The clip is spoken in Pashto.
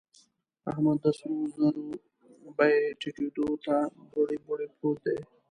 احمد د سرو زرو بيې ټيټېدو ته بوړۍ بوړۍ پروت دی.